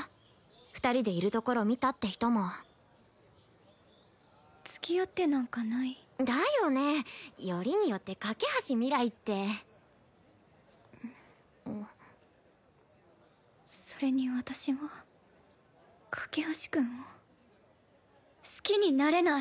２人でいるところ見たって人もつきあってなんかないだよねよりによって架橋明日ってそれに私は架橋君を好きになれない